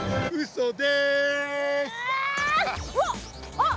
あっ！